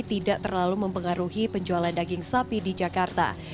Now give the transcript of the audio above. tidak terlalu mempengaruhi penjualan daging sapi di jakarta